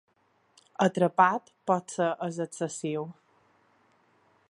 ’Atrapat potser és excessiu!